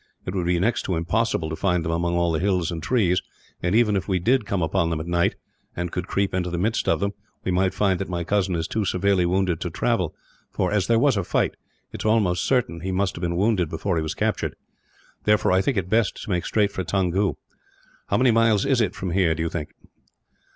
It would be next to impossible to find them among all the hills and trees and, even if we did come upon them at night, and could creep into the midst of them, we might find that my cousin is too severely wounded to travel for, as there was a fight, it is almost certain he must have been wounded before he was captured. Therefore, I think it is best to make straight for Toungoo. "How many miles is it from here, do you think?"